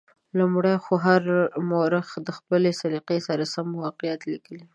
لومړی خو هر مورخ د خپلې سلیقې سره سم واقعات لیکلي.